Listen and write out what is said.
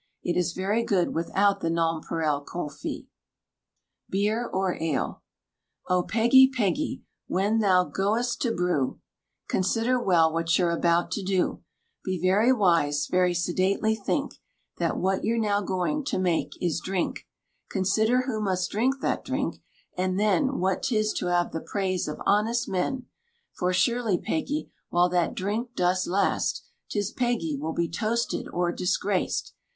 It is very good without the nonpareil comfits. BEER OR ALE. O, Peggy, Peggy! when thou goest to brew, Consider well what you're about to do; Be very wise, very sedately think That what you're now going to make is drink; Consider who must drink that drink, and then What 'tis to have the praise of honest men; For surely, Peggy, while that drink does last, 'Tis Peggy will be toasted or disgraced.